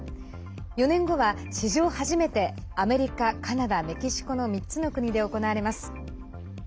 ４年後は史上初めてアメリカ、カナダ、メキシコの３つの国で行われます。